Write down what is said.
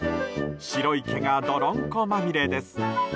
白い毛が泥んこまみれです。